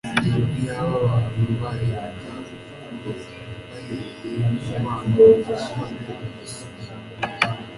Iyaba abantu barebaga ubukuru bahereye ku mpano z'ubwenge gusa,